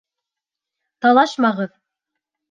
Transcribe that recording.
Талашмағыҙ!